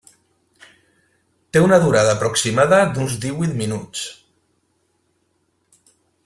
Té una durada aproximada d'uns divuit minuts.